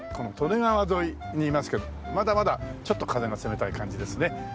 利根川沿いにいますけどまだまだちょっと風が冷たい感じですね。